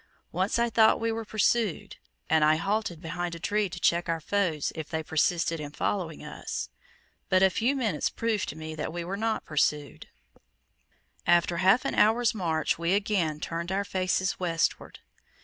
Once I thought we were pursued, and I halted behind a tree to check our foes if they persisted in following us; but a few minutes proved to me that we were not pursued, After half an hour's march we again turned our faces westward.